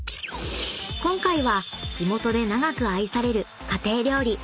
［今回は地元で長く愛される家庭料理］